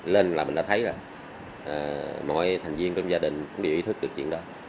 lên là mình đã thấy mọi thành viên trong gia đình cũng bị ý thức được chuyện đó